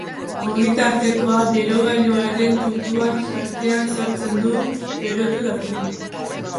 Ogitartekoa berogailuaren tutuen artean sartzen du, berotu dadin.